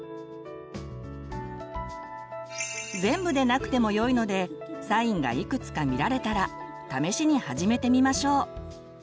全部でなくてもよいのでサインがいくつか見られたら試しに始めてみましょう。